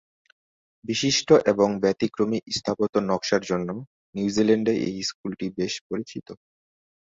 বিশিষ্ট এবং ব্যতিক্রমী স্থাপত্য নকশার জন্য নিউজিল্যান্ডে এই স্কুলটি বেশ পরিচিত।